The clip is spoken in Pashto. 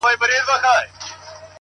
زموږ کورونه زموږ ښارونه پکښي ړنګ سي-